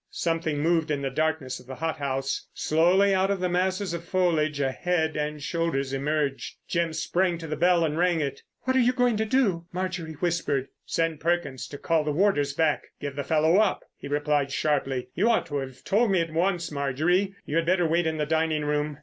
Something moved in the darkness of the hothouse. Slowly out of the masses of foliage a head and shoulders emerged. Jim sprang to the bell and rang it. "What are you going to do?" Marjorie whispered. "Send Perkins to call the warders back. Give the fellow up," he replied sharply. "You ought to have told me at once, Marjorie. You had better wait in the dining room."